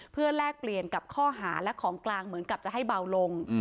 เพื่อแลกเปลี่ยนกับข้อหาและของกลางเหมือนกับจะให้เบาลง